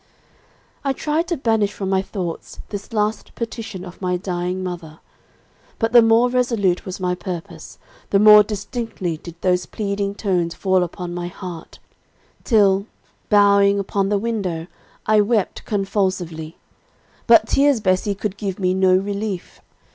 "I tried to banish from my thoughts this last petition of my dying mother; but the more resolute was my purpose, the more distinctly did those pleading tones fall upon my heart, till, bowing upon the window, I wept convulsively. But tears, Bessie, could give me no relief.